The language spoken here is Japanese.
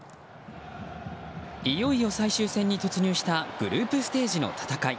いよいよ最終戦に突入したグループステージの戦い。